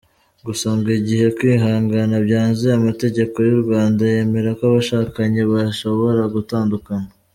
Gusa ngo igihe kwihangana byanze, amategeko y’u Rwanda yemera ko abashakanye bashobora gutandukana.